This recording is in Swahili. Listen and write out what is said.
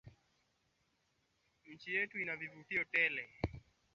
mtoto akigundulika kuwa na malaria anatakiwa kuwahishwa hospitali